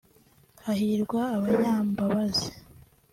hahirwa abanyambabazi